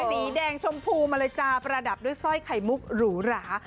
สีแดงชมพูมาเลยจ้าประดับด้วยสร้อยไข่มุกหรูหรา